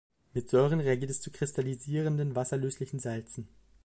Mit Säuren reagiert es zu kristallisierenden, wasserlöslichen Salzen.